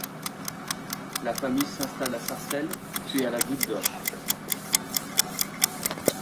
La famille s'installe à Sarcelles, puis à la Goutte-d'Or.